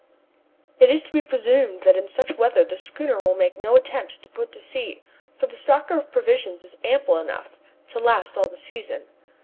It is to be presumed that in such weather the schooner will make no attempt to put to sea, for the stock of provisions is ample enough to last all the season.